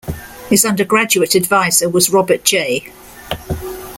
His undergraduate advisor was Robert J.